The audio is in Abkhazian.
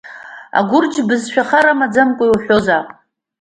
Агәырџ бызшәа хар амаӡамкәа иуҳәозаап!